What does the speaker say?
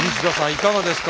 いかがですか？